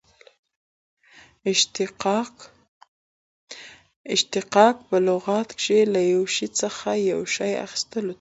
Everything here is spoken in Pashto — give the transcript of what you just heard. اشتقاق په لغت کښي له یوه شي څخه یو شي اخستلو ته وايي.